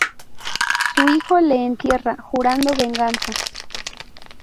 Su hijo le entierra, jurando venganza.